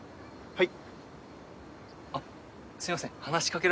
はい？